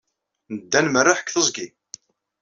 Nedda ad nmerreḥ deg teẓgi.